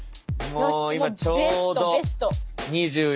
もう今ちょうど２４。